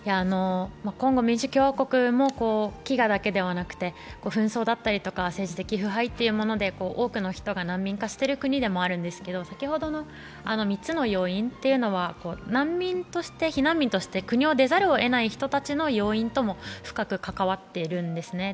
コンゴ民主共和国も飢餓だけでなく紛争だったり、政治的腐敗というもので多くの人が難民化している国ではあるんですけど、先ほどの３つの要因というのは避難民として国を出ざるをえない人たちの要因とも深く関わっているんですね。